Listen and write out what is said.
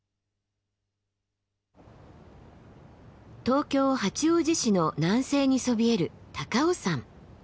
東京・八王子市の南西にそびえる高尾山。